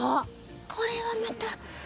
これはまた。